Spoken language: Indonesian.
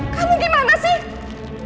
kamu gimana sih